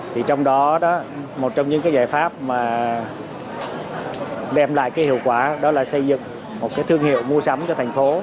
thì trong đó đó một trong những cái giải pháp mà đem lại cái hiệu quả đó là xây dựng một cái thương hiệu mua sắm cho thành phố